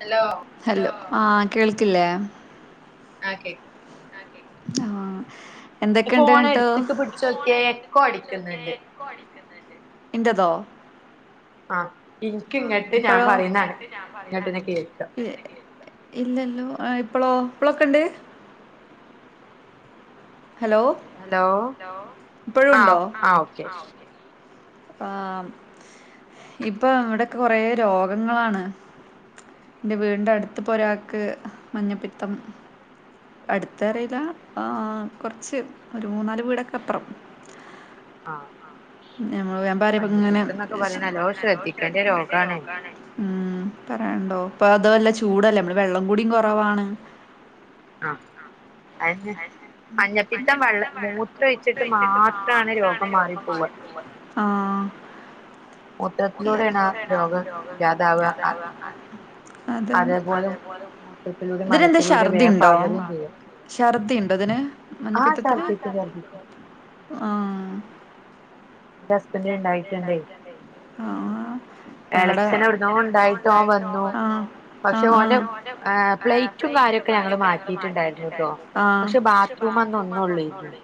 Hello hello ആഹ് കേൾക്കില്ലേ ആഹ് കേട്ട് ഫോണ് എടുത്ത്ക്ക് പിടിച്ചോക്കെ ഇക്കോ അടിക്കുന്നുണ്ട് ഇൻറ്റതോ ആഹ് എനിക്ക് ഇങ്ങട്ട് ഞാൻ പറയുന്നാണ് ഇങ്ങട്ടന്നെ കേക്കാ ഇല്ലല്ലോ ഇപ്പളോ ഇപ്പളൊക്കെ ഇണ്ട് ഹലോ ഹലോ ഇപ്പഴും ഇണ്ടോ ആഹ് ആഹ് ഇപ്പം ഇവിടെക്കെ കൊറെ രോഗങ്ങളാണ് ഇന്റെ വീട്ന്റെ അടുത്ത് പ്പോ ഒരാക്ക് മഞ്ഞപ്പിത്തം അടുത്ത് അറീല കോർച്ച് ഒരു മൂന്നാല് വീടൊക്കെ അപ്പുറം ആഹ് [unintelligible] ഞാം പറയാ ഇപ്പൊ ഇങ്ങനെ ഉം പറയാണ്ടോ ഇപ്പ അതോല്ല ചൂടല്ലേ നമ്മള് വെള്ളം കൂടിം കോറവാണ് ആഹ് അഹ്ന്നെ മഞ്ഞപ്പിത്തം വെള്ള മൂത്ര ഒഴിച്ചിട്ട് മാത്രാണ് രോഗം മാറിപ്പോവ ആഹ് മൂത്രത്തിലൂടെയാണ് ആഹ് രോഗം ഇല്ലാതാവ അങ്ങനെയോക്കെ അതെ അതേപോലെ ഇതിന് എന്ത ഷർദി ഉണ്ടോ ഛർദിണ്ടൊ ഇതിന് മഞ്ഞപ്പിത്തത്തിന് ആ ഛറദിൻണ്ട് ആഹ് ഇന്റെ ഹസ്ബൻന്ഡ ഉണ്ടായിട്ടുണ്ടേ ആഹ് ഞങ്ങടെ എളച്ചൻ എവ്ട്ന്നൊ ഇണ്ടായിട്ട് ഓൻ വന്നു ആഹ് ആഹ് ആഹ് പക്ഷേ ഓൻ്റെ പ്ലേറ്റും കാര്യൊക്കെ ഞങ്ങള് മാറ്റിട്ടുണ്ടായിരുന്നു പക്ഷേ ബാത്ത്റൂം അന്ന് ഒന്നൊള്ളേനി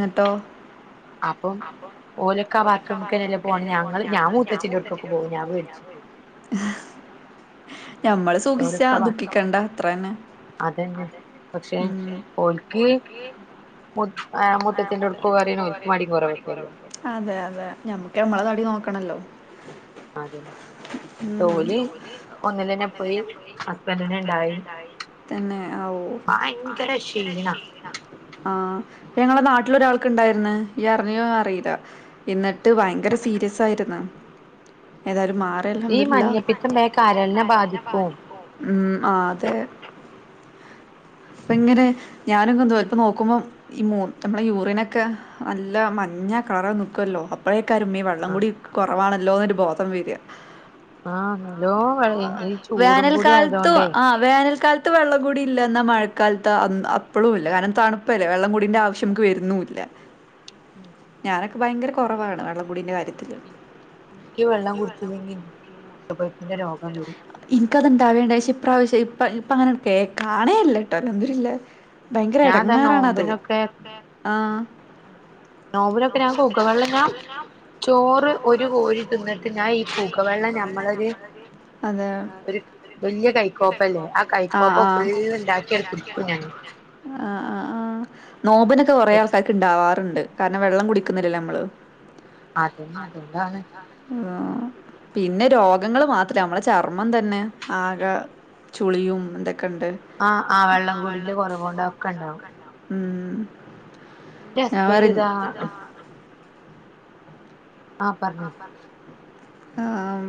ന്നട്ടൊ ആഹ് അപ്പം ഓരൊക്കെ ബാത്ത്റൂമ്മ്ക്കന്നല്ലെ പോണ ഞങ്ങൾ ഞാൻ മൂത്തച്ചിൻ്റോട് കൊക്കെ പൊവും ഞാൻ പേ ഞമ്മള് സുഷിച്ചാ ദുഖിക്കേണ്ട അത്ര ന്നെ അതന്നെ പക്ഷേ ഒൽക്ക് യേ മൂത്തച്ചിന്റൊട്ക്ക് ഓൽക്ക് ഓല്ക്ക് ഒരു മടി കൊറവ് അതെ അതെ ഞമ്മുക്ക് നമ്മളെ തടി നോക്കണല്ലോ അതന്നെ ഓല് ഒന്നിലന്നെ പോയി ഹസ്ബൻഡിന്ണ്ടായി തന്നെ ഔ ഭയങ്കര ക്ഷീണ ആഹ് ഞങ്ങളെ നാട്ടില് ഒരാൾക്ക് ഉണ്ടായിരുന്നു ഈ അറിഞ്ഞോ അറിയില്ല ഇന്നട്ട് ന്നട്ട് ഭയങ്കര സീരിയസ് ആയിരുന്നു എതായാലും മ അൽഹംദുലില്ലാ ഈ മഞ്ഞപിത്തം വേ കരളിനെ ബാധിക്കും മ് ആഹ് അതെ ഇപ്പ ഇങ്ങനെ ഞാന് നേരെ നോക്കുമ്പോ ഈ മൂ യൂറിനൊക്കെ നല്ല മ ഞ്ഞ കളറ്ല് നിൽക്കൊല്ലോ അപ്പഴേക്കാരം ഈ വെള്ളം കൂടി കൊറവാണല്ലോ ന്ന ബോധം വെര ആഹ് നല്ലൊ വെള്ളം വേനൽക്കാലത്തും ആഹ് വേനൽക്കാലത്ത് വെള്ളം കൂടി ഇല്ല എന്നാ മഴ കാലത്ത് അപ്പോഴും ഇല്ല കാരണം തണുപ്പല്ല വെള്ളം കൂടിന്റെ ആവശ്യം നമുക്ക് വരുന്നുല്ല ഞാനൊക്കെ ഭയങ്കര കൊറവാണ് വെള്ളംകുടീന്റെ കാര്യത്തില് ഇന് ക്ക് വെള്ളം കുടിച്ചില്ലെങ്കിൽ എനിക്ക് മുത്രപ്പഴുപ്പിന്റെ രോഗം വരും ഇന്ക്ക് അത് ഇണ്ടാവല്ണ്ട് ഷേ ഇപ്രാവശ്യ ഇപ്പ ഇപ്പ അങ്ങനെ കേ കാണേല്ല ട്ടോ അൽഹമ്ദുലില്ല ഭയങ്കര എടങ്ങാറാണത് നൊബ്നൊക്കെ ആഹ് നോബിനൊക്കേ ഞാൻ കുക വെള്ളം ഞാം ചോറ് ഒരു കോരി തിന്നിട്ട് ഈ കുക വെള്ളം നമ്മളൊരു ആ അതെ വല്യ കൈ കൊപ്പയില്ലേ ആഹ് ആഹ് അവയിൽ ഫുള്ള് ഇണ്ടാകിയാണ്ട് കുടിക്കും ഞാൻ ആഹ് ആ്ഹ് ആ നോബിനൊക്കെ കൊറെേ ആൾക്കാർക്ക് ഇണ്ടാവാറ്ണ്ട് കാരണം വെള്ളം കുടിക്കുന്നില്ലല്ലേ നമ്മള് ആഹ് പിന്നെ രോഗങ്ങള് മാത്ര ല്ല നമ്മളെ ചർമ്മം തന്നെ ആകെ ചുളിയും എന്തൊക്കെണ്ട് ആഹ് വെള്ളം കുടിൻ്റെ കൊറവൊണ്ട് അതൊക്കെ ഇണ്ടാവും മ്മ്ഹ് ന്റെ ഹസ്ബൻഡ് ഇതാ ആഹ്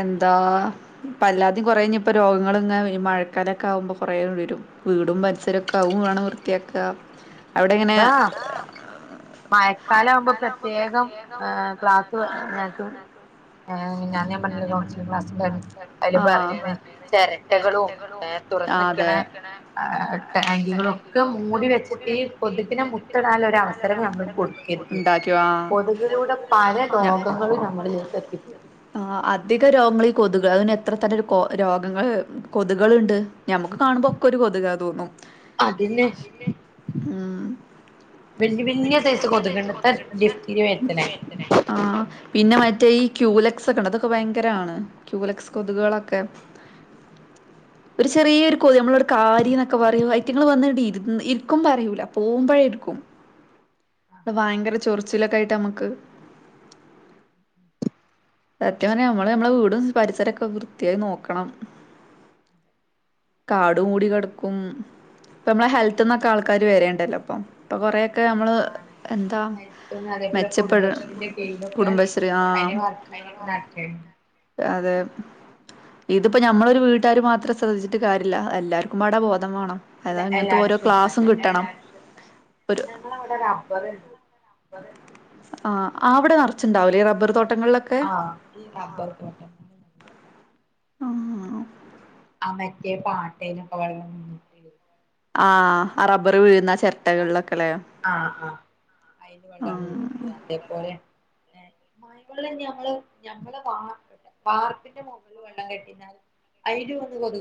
എന്താ ഇപ്പല്ലാതി കൊറെ ഞ്ഞ് ഇപ്പ രോഗങ്ങള് ഇങ്ങനെ വരും മഴക്കാലൊക്കെവുമ്പോ കൊറേ വരും വീടും പരിസരൊക്കെ അഉം. വാണം വൃത്തിയാക്ക ന്താ മഴക്കാലവുമ്പോ പ്രത്യേകം [unintelligible] ക്ലാസ് [unintelligible] ഏ മിനിഞ്ഞാന്ന് ഞാൻ പറഞ്ഞിലെ കൗൺസിലി ക്ലാസ്ണ്ടായിര്ന്നു. അയില് പറഞ്ഞ്ണ് ചെരട്ടകളും തുറന്നിക്ക്ണ ടാങ്കികളൊക്കെ മൂടി വെച്ചിട്ട് ഈ കൊതുകിനെ മുട്ടടാൻ ഒര്അവസരം ഞമ്മൾ കൊടുക്കരുത് കൊതുകിലൂടെ പല രോഗങ്ങളും നമ്മളിലേക്ക് എത്തിപെടു.. ആഹ് അധിക രോങ്ങള് ഈ കൊതുക് അതിന് എത്ര തര കൊ രോഗങ്ങൾ കൊതുകളണ്ട്. ഞമുക്ക് കാണുമ്പോക്കെ ഒരു കൊതുക തോന്നും മ്മ്ഹ് വല്ല്യ വല്ല്യ സൈസ് കൊത്ക്ണ്ട് എത്ത ലിഫ്റ്റിരി വര്ത്ണെ ആഹ് പിന്നെ മറ്റേ ഈ ക്യൂലെക്സ്ക്കെണ്ട് അതൊക്കെ ഭയങ്കരാണ് ക്യൂലക്സ് കൊതുകൊളൊക്കെ ഒരു ചെറിയൊരു കൊതു നമ്മളടു കാരിന്നൊക്കെ പറിം ഐറ്റങ്ങൾ വന്നിട് ഇ ഇരിക്കും പറിയൂല പോകുമ്പോഴേ ഇരിക്കും.. വടെ വയങ്കര ചൊറിച്ചിലൊക്കെ ആയിട്ട് അമ്മക്.. [inaudible] സത്യം പറഞ്ഞ നമ്മള് നമ്മെ വീടും പരിസരക്കെ വൃത്തിയായി നോക്കണം.. കാട് മൂടി കെടക്കും ഇപ്പമ്മളെ ഹെൽത്ത്ന്നൊക്കെ ആൾക്കാര് വരെ ണ്ടല്ലോപ്പം.. ഇപ്പ കുറെയൊക്കെ നമ്മൾ എന്താ മെച്ച.. കുബശ്രീന്റെ കീയിലൊക്കെ അയിന്റെ വർക്കുകളൊക്കെ നടകൽണ്ട്.. അതേം.. ഇതിപ്പോ നമ്മളൊരു വീട്ടര് മാത്രം ശ്രദ്ധിച്ചിട്ട് കാര്യല്ല എല്ലാർക്കുംപാടെ ബോധം വേണം.. എല്ല എല്ലാരും ശ്രദ്ധിക്കാം ഞങ്ങളവിടെ റബ്ബർണ്ട്.. ആഹ അവടെ നറച്ചിണ്ടാവുലേ ഈ റബ്ബർ തോട്ടങ്ങളിലൊക്കെ.. ഈ അമ്പർതോട്ടങ്ങള്.. [inaudible] ആ മറ്റേ പാട്ടേനൊക്കെ വരു.. ആഹ റബ്ബർ വീഴുന്ന ചിരട്ടകളിലൊക്കെലെ.. ആഹ അയിന് കൊണ്ട വിട്ട അതേപോലെ.. മയ്വെള്ളം ഞമ്മൾ ഞമ്മളെ വാർപ്പിന്റെ മുകളിൽ വെള്ളം കെട്ടിന്നാല്... അയിര് വന്ന് കൊത്ക്..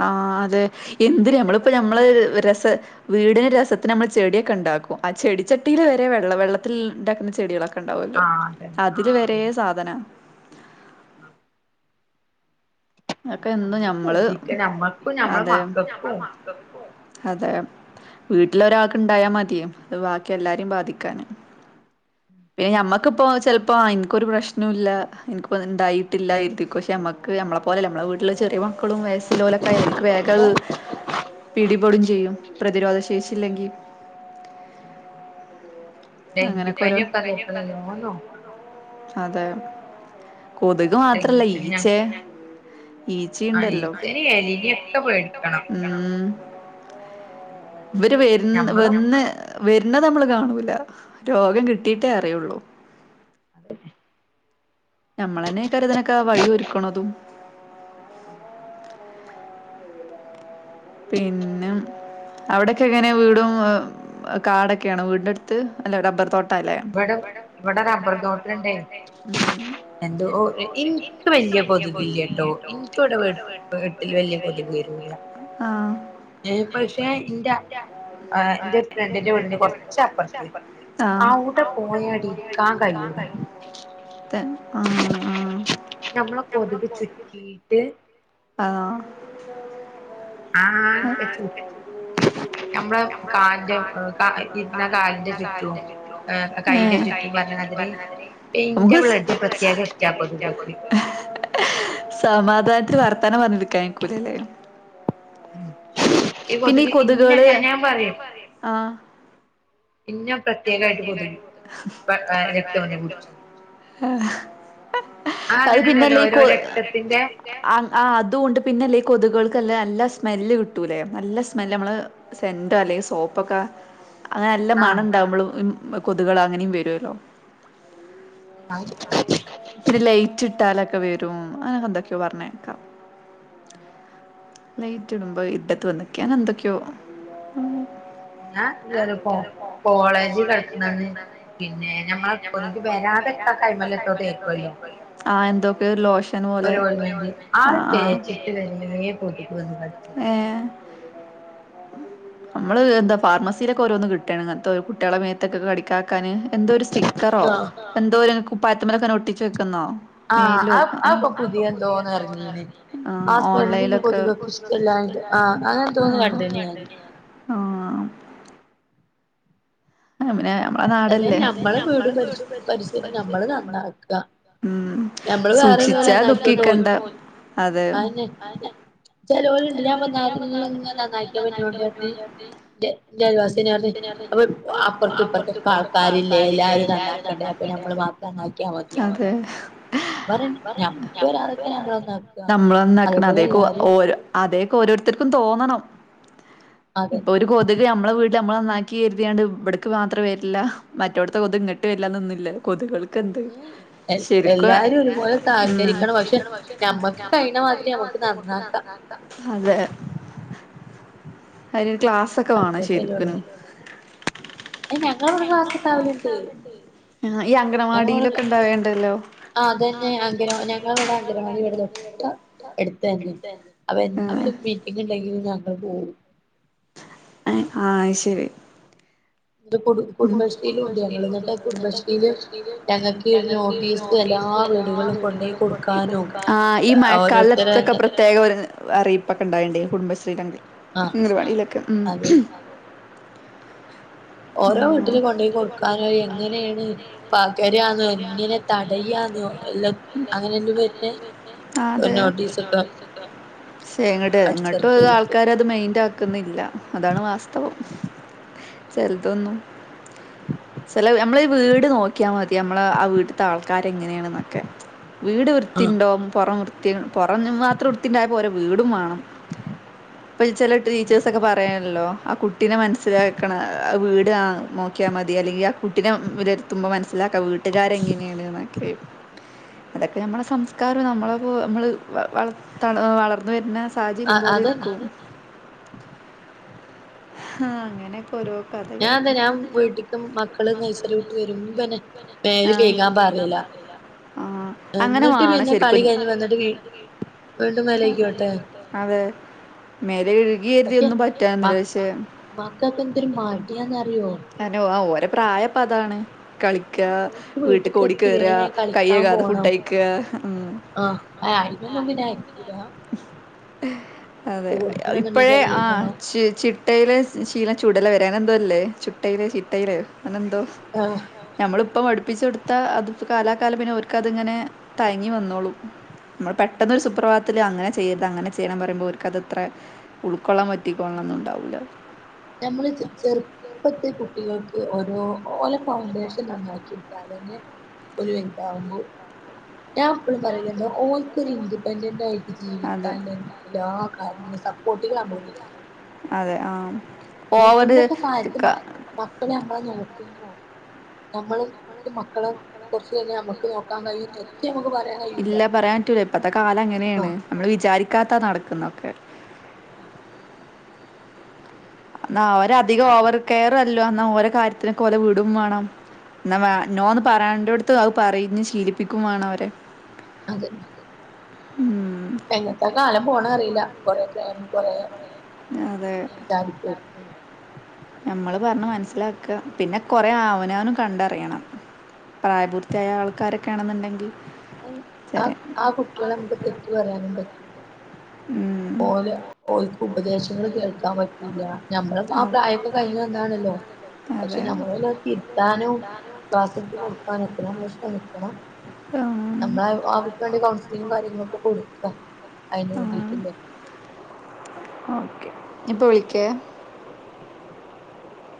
ആഹ അതെ എന്തിന നമ്മളിപ്പോ നഞമ്മള് രസ.. വീടിന് രസത്തിന് നമ്മള് ചെടിയൊക്കെ ണ്ടാക്കും ആ ചെടിച്ചട്ടിയില് വരെ വെള്ള വെള്ളത്തിൽണ്ടാക്കുന്ന. ചെടികളൊക്കെ.. ക്ണ്ടാവല്ലോ. അതില് വരെ. സാധന.. ആഹ.. അക്കെ എന്നു ഞമ്മള്. അതേം. അതേം. വീട്ടിലൊരാൾക്ക്ണ്ടായാ മതിയേ. അത് വാക്കി എല്ലാരിം. ബാധിക്കാന്.. പിനെ ഞമ്മക്കിപ്പോ ചെൽ.. അപ്പ എനിക്കൊരു പ്രശ്നൊല്ല. എനിക്കിപ്പോ ണ്ടായിട്ടില്ല ഇതികൊ പഷെ നമ്മക്ക് നമ്മളെ.. പോലെല്ലേ നമ്മുടെ വീട്ടില് ചെറി മക്കളും വയസ്സ്.. ലോലക്കായ ഓല്ക് വേഗഹ് പിടിപെടും ചെയ്യും പ്രതിരോധ ശേഷില്ലെങ്കി.. ഡെങ്കിപനി അതെപോലെ. ലോനോ.. അതെ. കൊതുക് മാത്രല്ല. ഈച്ചേ.. അ ഇച്ചനി എലിനിയൊക്കെ പേടിക്കണം.. മ്മ്ഹ്. ഇവര് വെര് വന്ന്.. വെര്ന്നത് നമ്മൾ കാണൂല രോഗം കിട്ടിയിട്ടേ അറിയൊള്ളൂ.. അതെ ഞമ്മളന്നെ കരുതിനൊക്കെ വഴി ഒരുക്കണതും [inaudible] പിന്നെ അവിടക്കെ എങ്ങനെയെ വീടും കാടൊക്കെയാണ് വീടിനടുത്ത് അല്ല റബ്ബർ തോട്ട ഇവിടെ ഇവിടെ റബ്ബർതോട്ടണ്ടേ എന്തോ ഇനക്ക് വലിയ കൊതുകില്ല ട്ടോ ഇവനിക്ക ഇവിടെ വീട്ട വീട്ടിൽ വലിയ കൊതുക് വരൂല ആഹ പക്ഷെ എന്റെ എന്റെ ഫ്രണ്ടിന്റെ വീടിന്ന് കൊറച്ചപ്പുറത്ത് ആവിടെ പോയാടിരിക്കാൻ കയ്യൂല ആതെ ആഹ ആഹ നമ്മളെ കൊതുക് ചുറ്റീട്ട് ആഹ ആ പ്പ ചു [inaudible] നമ്മളെ കാലിന്റെ കാലിന്റെ ചുറ്റും കൈന്റെ ചുറ്റും പറഞ്ഞ നമുക്ക് സത്യത്യാ [unintelligible] സമാധാനത്തിൽ വർത്താനം പറഞിരിക്കാ അയ്ക്കൂല ല്ലേ പിന്നെ കൊതുകള് ഞ്ഞ ഞ പറയും ആഹ് ഇന്ന പ്രത്യേകായിട്ട് കൊതു പ ആരൊക്കെ വന്ന് കുടിച്ചു ആഹ് ആഹ് അങ്ങനെണ്ടല്ലോ ഓരോ രക്തത്തിന്റെ ആഹ് അതുണ്ട് പിന്നെല്ലേ ഈ കൊതുകൾക്ക്ല്ല നല്ല സ്മെല്ല് കിട്ടൂലേ നല്ല സ്മെല്ല് മ്മള് സെന്റോ അല്ലെ സോപ്പൊക്കെ അങ്ങനെല്ല മണണ്ടാവുമ്പോളും കൊതുകുകള അങ്ങനിം വരുല്ലോ [unintelligible] ത്തിരി ലൈറ്റ്ട്ടാലൊക്കെ വരും അങ്ങനൊക്കെ എന്തൊക്കെയോ പറഞ്ഞേക്ക ലൈറ്റ്ടുമ്പോ ഇർടത്ത് വന്ന്ക്കെ അങ്ങനെന്തൊക്കെയോ ഞാൻ ചെലപ്പോ കോളേജ് കടക്ക്ണന്ന് പിന്നെ നമ്മള കൊതുക്ക് വരാതെക്കാ കൈമലത്തോ തേക്കുല്ലോ ആഹ് എന്തൊക്കെ ഒരു ലോഷ് പോലെ ആഹ് ആഹ് ഏഹ് [inaudible] മ്മള് ന്താ ഫാർമസിയിലൊക്കെ ഓരോന്ന് കിട്ടേണ്ട് ഇങ്ങനത്തെ കുട്ടികളെ മേത്തൊക്കെ കടിക്കാ ക്കാന് എന്തോ ഒരു സ്റ്റിക്കറോ എന്തോ കുപ്പായത്ത് മലൊക്കെ ഒട്ടിച്ചു വെക്കുന്നോ മെയിലും വക്ക ആ പുതിയന്തോ എർങ്ങിണ് ആഹ് ഓൺലൈനൊക്കെ [unintelligible] ആഹ് പിന്നെ നമ്മളെ നാടല്ലേ [unintelligible] ഉം സൂക്ഷിച്ചാ ദുഃഖിക്കണ്ട അതെ ചെലോല് ഞാൻ ഇ നന്നാക്കിയ പ്പോ ഇന്നോണ്ടറഞ്ഞി വാസി അപ്പ അപ്പറത്തുംപ്പറത്തും ഇപ്പപ്പ ആൾക്കാരില്ലേ എല്ലാരും നന്നാക്കണ്ട അപ്പോ നമ്മള് മാത്ര അതെ [unintelligible] നമ്മളന്നാക്കണം അതേക്ക ഓഹ് അതേ കോരോരുത്തർക്കും തോന്നണം പ്പൊ ഒരു കൊ ത്ക് നമ്മളെ വീട്ട് നമ്മെ നാന്നാക്കി കരുതിയാണ്ട് ഇവടക്ക് മാത്രേ വർല്ലാ മറ്റൊടത്തെ കൊതു ഇങ്ങിട്ട് വരില്ലന്നൊന്നുല്ല കൊതുകൾ കന്ത് ശരിക്കും എല്ലാരും ഉം ഒരുപെലെ സഹകരിക്കണം പക്ഷേ നമുക്ക് കയ്യ്ണ മാതിരി മ്മക്ക് നന്നാ അതെ അയ്ന് ക്ലാസ്സൊക്കെ വാണം ശരിക്ക്നും അയ് ഞങ്ങളവ്ടെ ക്‌ളാസ് ഇണ്ടാവല്ണ്ട് ഞങ്ങളോ വേണ്ടല്ലോ ആഹ് അതന്നെ അംഗനവടി ഞങ്ങളവിടെ അംഗനവാടി ഇവിടെ തൊട്ട എടുത്തന്നെ അപ്പ എന്ത് മീറ്റിംഗണ്ടെങ്കിലും ഞങ്ങള് പോവും ഏഹ് ആഹ് ശെരി കുടുംബശ്രീയിലുണ്ട് ഞങ്ങള് ന്നിട്ട് കുടുംബശ്രീയില് ഞങ്ങക്ക് ലോ നോട്ടീസൊക്കെ എല്ലാ വീട്കൾ ആഹ് ഈ മഴക്കാലത്തൊക്കെ പ്രത്യേകം ഒരു അറിയിപ്പൊക്കെ ഉണ്ടാവണ്ട കുടുംബശ്രീലൊക്കെ അംഗൻവാടി ലൊക്കെ ഓരോ വീട്ടില് കൊണ്ടോയി കൊടുക്കാനോ എങ്ങനെണ് പകരാന്ന് എങ്ങനെ ആഹ് അതെ സൈഡ് ഇങ്ങട്ടും ആൾക്കാരത് മെയിന്റാക്കുന്നില്ല അതാണ് വാസ്തവം ചിലതൊന്നും ചെല നമ്മളീ വീട് നോക്കിയാമതി നമ്മളെ ആ വീട്ട ത്തെ ആൾക്കാരെങ്ങനെയാണെന്നൊക്കെവീട് വൃത്തിയുണ്ടോ പൊറം വൃ ത്തി പൊറഞ്ഞ മാത്രം വൃത്തിണ്ടായാപ്പോര വീടും വാണം ഇപ്പ ചെല ടീച്ചേഴ്സൊക്കെ പറയാനല്ലോ ആ കുട്ടിനെ മനസ്സിലാക്കണ ആ വീട്നോക്കിയാ മതി അല്ലെങ്കി ആ കുട്ടിനെ വിലരുത്തുമ്പോൾ മനസ്സിലാക്ക വീട്ടുകാര എങ്ങനെങ്ങനെയാണ് [unintelligible] അതൊക്കെ നമ്മളെ സംസ്കാരം നമ്മളപ്പോ നമ്മള് വളതള് വളർന്ന വരുന്ന സാഹചര്യംപോലെയിറിക്കും ആഹ് അങ്ങനെയൊക്കെ ഓരോ കഥകൾ ഞാൻ മക്കളെ നഴ്സറിവിട്ട് വരുമ്പഴത്തിന് ആഹ് അയാൾ കിഴകാൻ പാടിയിലാ ആഹ് അങ്ങനെ വാണ ശരിക്ക് ഒന്നും കളികഴിഞ്ഞ് വന്ന് വീട്ടിൽ അതെമേലെകഴുകിരുതിയൊന്നും പറ്റന്നുല്ലേച്ച് മക്കൊക്കെ എന്തൊരു മടിയാന്നറിയോ അനോ ഓര പ്രായപ്പതാണ് കളിക്ക, വീട്ടിക്ക്ഓടികേറക, കൈകാതെഫുഡ് കഴിക്കുക ഉം ആഹ് അയിനൊന്നും പിന്നേയ്ക്കൂലാ അതെ ഇപ്പോഴേ ആ ച്ച്ച്ച് ട്ടയിലെശീലം ചൂടലവരേ അങ്ങനെന്തോല്ലേ ചുട്ടയിലെചിട്ടയിലെ അങ്ങനെന്തോ നമ്മളിപ്പം പഠപ്പിച്ച് കൊടുത്ത അത് കാലാകാലം പിന്നെ അവർക്ക് അതിങ്ങനെ തൈയിങ്ങി വന്നോളും നമ്മള് പെട്ടെന്നരു സുപ്രഭാതത്തില് അങ്ങനെ ചെയ്യരുത് അങ്ങനെ ചെയ്യണം പറയുമ്പോ അവർക്ക്തത്ര ഉൾക്കൊള്ളാൻ പ ഇപ്പെ അങ്ങനെയൊന്നും ഉണ്ടാവൂല നമ്മള് ചെറുപ്പത്തികുട്ടി കുട്ടികൾക്ക് ഓരോ ഓലഫൗണ്ടേഷൻ നന്നാക്കിയെടുത്താല് തന്നെ ഓര് വെലുതാകുമ്പോ ഞാൻ അപ്പളും പറയലെന്താ ഓൾക്കൊരു ഇൻഡിപെൻഡന്റായി് ജീവിക്കാൻ ഉള്ള എല്ലാകാര്യങ്ങളും സപ്പോർട്ടിങ്ങ് നമ്മള് കൊടുക്കും അതെ ആഹ് പോവത് ഇക്ക മക്കള് നമ്മളെ നോക്കുമ്പോ നമ്മൾക്ക് മകളെ കൊറച്ചു കഴിഞ്ഞാൽ നമ്മക്ക് നോക്കാൻ വയ്യ എത്തി എന്ന് പറയാ ഇല്ല പറയാൻ പറ്റൂല ഇപ്പത്തെ കാലം ഇങ്ങനെയാണ് നമ്മള് വിചാരിക്കാത്താ നടക്കുന്നൊക്കെ ആഹ് എന്നാ അവരധികം ഓവർ കെയർല്ലോ എന്നാൽ ഓരോ കാര്യത്തിനെക്കെ ഒലെ വിടും വേണം എന്നാവ നോ പറയാണ്ടോടുത്ത് അയ് പറഞ്ഞ് ശീലിപ്പിക്കും വേണം അവരെ അതെ എങ്ങനത്തെ കാലം പോണെറിയില്ല കൊറെക്കെ ആകുമ്പോ കൊറെ അതെ നമ്മള് പറഞ്ഞ് മനസ്സിലാക്കുക പിന്നെ കൊറെ അവനവൻ കണ്ടറിയണം പ്രായപൂർത്തിയായ ആൾക്കാരൊക്കെ ആണെന്നുണ്ടെങ്കി ആഹ് ആഹ് കുട്ടക്കളെ നമ്മക്ക് തെറ്റ് പറയാനും പറ്റൂല ഓലെ ഓൽക്ക് ഉപദേശങ്ങൾ കേൾക്കാൻ പറ്റൂല നമ്മള് മ ഈ പ്രായയെക്കെ കഴിഞ്ഞ് വന്നാണല്ലോ പക്ഷെ നമ്മള് ഉണ്ടാക്കി ഇരുത്താനും വാട്സപ്പ് കൊടുക്കാനും ഒക്കെ ഞമ്മള് ശ്രമിക്കണം നമ്മളെ അവർക്ക് വേണ്ടി കൗൺസിലിങ്ങും കാര്യങ്ങളൊക്കെ കൊടുക്ക് അ അയിന് വേണ്ടിട്ടെല്ലേ ഓക്കെ ഇപ്പെ വിളിക്കെ